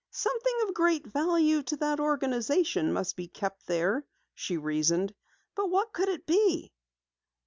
"Something of great value to the organization must be kept there," she reasoned. "But what can it be?"